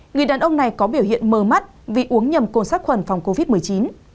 người đàn ông này có biểu hiện mờ mắt vì uống nhầm cô sát khuẩn phòng covid một mươi chín